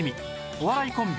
お笑いコンビ